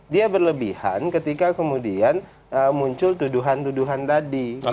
dia berlebihan ketika kemudian muncul tuduhan tuduhan tadi